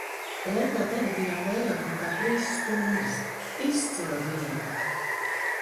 Laukā pavadījām vairāk nekā trīs stundas. Izcila diena!